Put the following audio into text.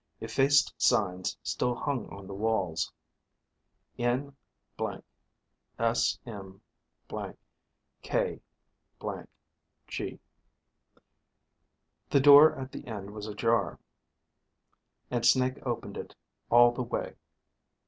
Effaced signs still hung on the walls. N .. SM .. K .. G The door at the end was ajar, and Snake opened it all the way.